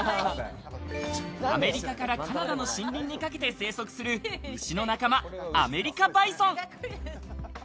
アメリカからカナダの森林にかけて生息する牛の仲間、アメリカバイソン。